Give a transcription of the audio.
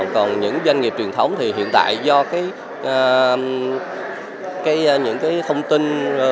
còn những doanh nghiệp truyền thống thì hiện tại do những thông tin